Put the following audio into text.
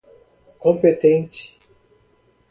competente